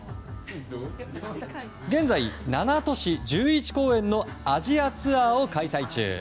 現在、７都市１１公演のアジアツアーを開催中。